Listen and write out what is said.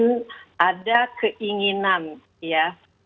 mungkin ada keinginan ya